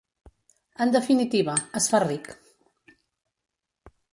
En definitiva: es fa ric.